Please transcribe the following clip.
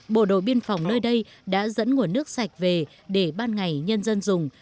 bộ đội biên phòng nơi đây đã dẫn nguồn nước sạch về để ban ngày nhân dân dùng